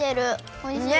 おいしい！